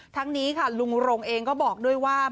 ทั้งนี้ค่ะลุงรงเองก็บอกด้วยว่า